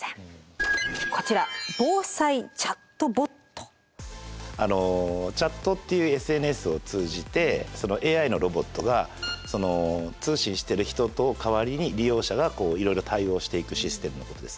こちらチャットっていうＳＮＳを通じてＡＩのロボットが通信してる人と代わりに利用者がいろいろ対応していくシステムのことです。